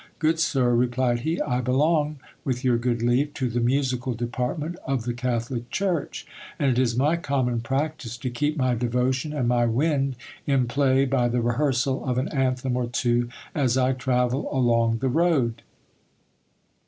Good sir, re plied he, I belong, with your good leave, to the musical department of the Catholic church : and it is my common practice to keep my devotion and my wind in play by the rehearsal of an anthem or two as I travel along the road.